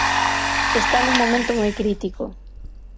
Está nun momento moi crítico.